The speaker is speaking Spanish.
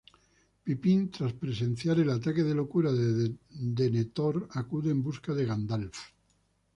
Pippin, tras presenciar el ataque de locura de Denethor, acude en busca de Gandalf.